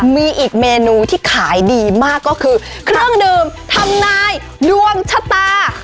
มีอีกเมนูที่ขายดีมากก็คือเครื่องดื่มทำนายดวงชะตา